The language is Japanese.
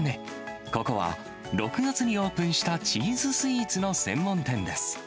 ここは６月にオープンしたチーズスイーツの専門店です。